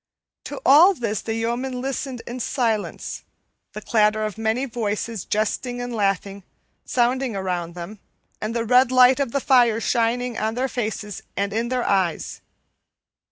To all this the yeomen listened in silence, the clatter of many voices, jesting and laughing, sounding around them, and the red light of the fire shining on their faces and in their eyes.